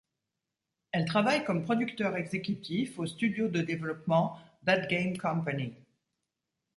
Elle travaille comme producteur exécutif au studio de développement thatgamecompany.